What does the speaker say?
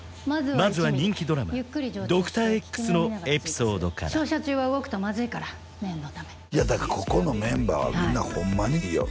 まずは人気ドラマ「ドクターＸ」のエピソードから照射中は動くとまずいから念のためだからここのメンバーはみんなホンマにいいよ